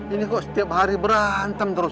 ini kok setiap hari berantem terus